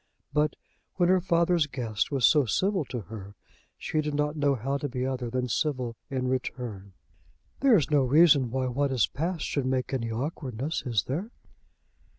But when her father's guest was so civil to her she did not know how to be other than civil in return. "There is no reason why what has passed should make any awkwardness; is there?"